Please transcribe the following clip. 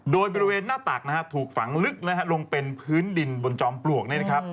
โดยบริเวณหน้าตากถูกฝังลึกลงเป็นพื้นดินบนจอมปลวก